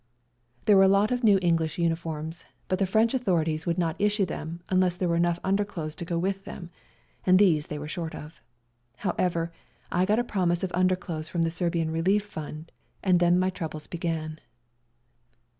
There were a lot of new English uniforms, but the French authorities would not issue them unless there were enough underclothes to go with them, and these they were short of. However, I got a promise of underclothes from the Serbian Relief Fund, and then my troubles began.